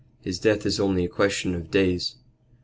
His death is only a question of days.